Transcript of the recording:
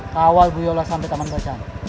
kawal bu yola sampai taman rajaan